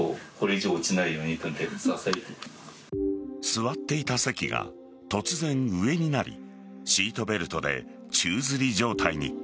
座っていた席が突然、上になりシートベルトで宙づり状態に。